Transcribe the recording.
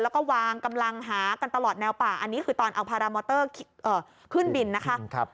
แล้วก็วางกำลังหากันตลอดแนวป่าอันนี้คือตอนเอาพารามอเตอร์ขึ้นบินนะคะ